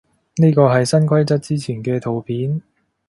呢個係新規則之前嘅圖片